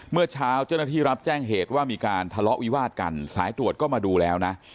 เมื่อเช้าเจ้าหน้าที่รับแจ้งเหตุว่ามีการทะเลาะวิวาดกันสายตรวจก็มาดูแล้วนะ